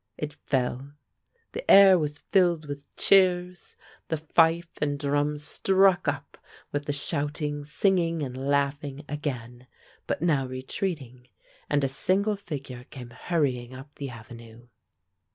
It fell; the air was filled with cheers; the fife and drum struck up, with the shouting, singing, and laughing again, but now retreating; and a single figure came hurrying up the avenue.